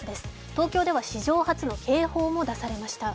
東京では史上初の警報も出されました。